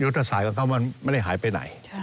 ยุทธศาสตร์กับเขามันไม่ได้หายไปไหน